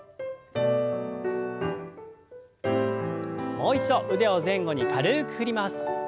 もう一度腕を前後に軽く振ります。